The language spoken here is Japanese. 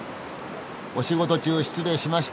お仕事中失礼しました。